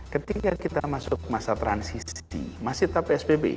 ketika kita masuk masa transisi masih tetap psbb